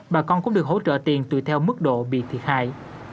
bà con cũng được hỗ trợ tiền tùy theo mức độ bị thiệt hại